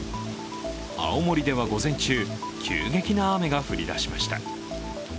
青森では、午前中急激な雨が降りだしました。